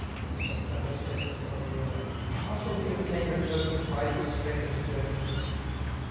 Spake the hostess of Pohyola: "How shall we obtain a token Why these strangers journey hither?